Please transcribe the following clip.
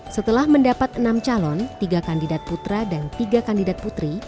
setelah mendapat enam calon tiga kandidat putra dan tiga kandidat putri